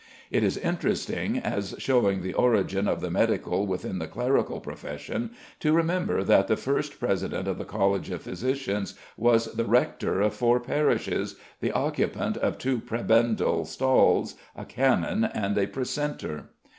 It is interesting, as showing the origin of the medical within the clerical profession, to remember that the first President of the College of Physicians was the rector of four parishes, the occupant of two prebendal stalls, a canon, and a precentor.